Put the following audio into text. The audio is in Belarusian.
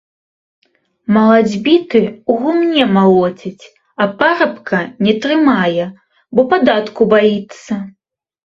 Малацьбіты ў гумне малоцяць, а парабка не трымае, бо падатку баіцца.